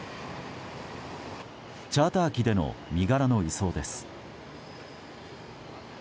チャーター機での身柄の移送です。